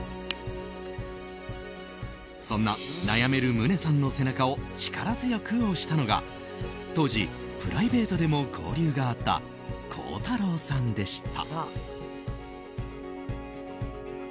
そんな悩める宗さんの背中を力強く押したのが当時、プライベートでも交流があった孝太郎さんでした。